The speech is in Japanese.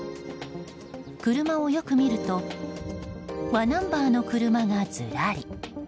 車をよく見ると「わ」ナンバーの車がずらり。